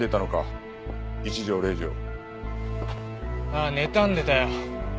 ああねたんでたよ！